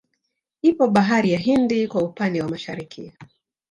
Ipo bahari ya Hindi kwa upande wa Mashariki